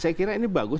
saya kira ini bagus